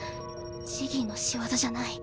ジギーの仕業じゃない。